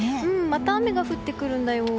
また雨が降ってくるんだよ。